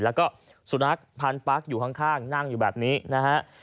แล้วก็สุนัขพันปั๊กอยู่ข้างนั่งอยู่แบบนี้นะฮะ